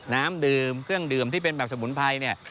น้ำดื่มเครื่องดื่มที่เป็นแบบสมุนไพรเนี่ย